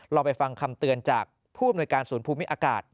ลองไปฟังคำเตือนจากผู้อำนวยการศูนย์ภูมิอากาศ